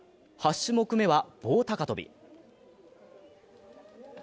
８種目めは棒高跳び。